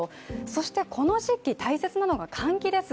そしてこの時期大切なのが換気です。